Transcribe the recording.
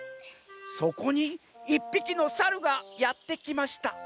「そこにいっぴきのサルがやってきました」。